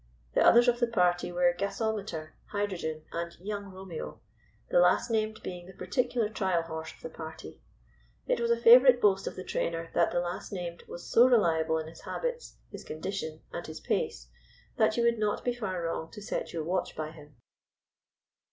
The others of the party were Gasometer, Hydrogen, and Young Romeo, the last named being the particular trial horse of the party. It was a favorite boast of the trainer that the last named was so reliable in his habits, his condition, and his pace, that you would not be far wrong to set your watch by him.